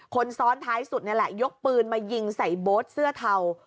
คนซ้อนท้ายสุดนี่แหละยกปืนมายิงใส่โบ๊ทเสื้อเทา